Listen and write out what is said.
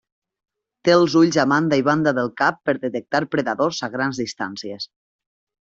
Té els ulls a banda i banda del cap per detectar predadors a grans distàncies.